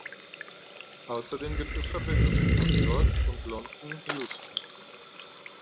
Ausserdem gibt es Verbindungen nach York und London Euston.